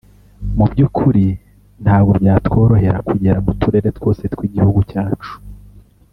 “Mu by’ukuri ntabwo byatworohera kugera mu turere twose tw’igihugu cyacu